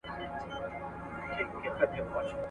رسول الله له خپلو مېرمنو سره مهربان و.